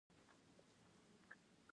هغه هغې ته په درناوي د دریاب کیسه هم وکړه.